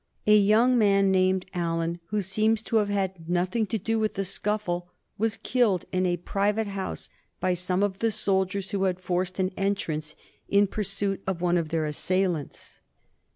A young man named Allan, who seems to have had nothing to do with the scuffle, was killed in a private house by some of the soldiers who had forced an entrance in pursuit of one of their assailants.